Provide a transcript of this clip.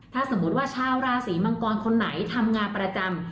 ถ้าสมมุติว่าชาวราศีมังกรคนไหนทำงานประจำ